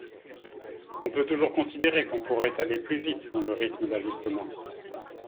On peut toujours considérer qu’on pourrait aller plus vite dans le rythme d’ajustement.